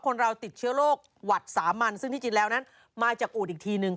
คนเราติดเชื้อโรคหวัดสามัญซึ่งที่จริงแล้วนั้นมาจากอูดอีกทีนึง